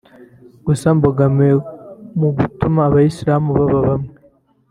Gusa Mbogamiye mu gutuma Abayisilamu baba bamwe